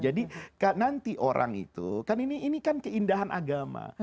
jadi nanti orang itu kan ini kan keindahan agama